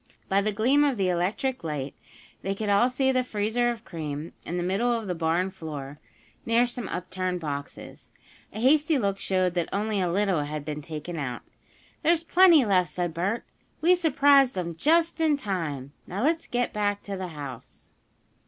By the gleam of the electric light they could all see the freezer of cream in the middle of the barn floor, near some upturned boxes. A hasty look showed that only a little had been taken out. "There's plenty left!" said Bert. "We surprised 'em just in time. Now let's get beck to the house."